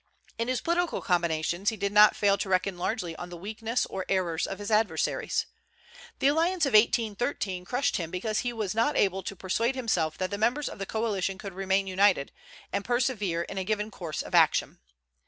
"In his political combinations he did not fail to reckon largely on the weakness or errors of his adversaries. The alliance of 1813 crushed him because he was not able to persuade himself that the members of the coalition could remain united, and persevere in a given course of action.